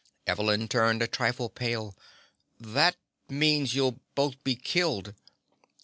Evelyn turned a trifle pale. "That means you'll both be killed."